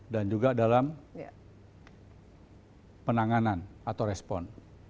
dan juga dalam penanganan atau respon